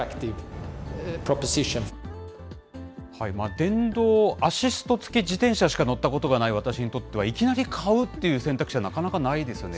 電動アシスト付き自転車しか乗ったことがない私にとっては、いきなり買うという選択肢はなかなかないですよね。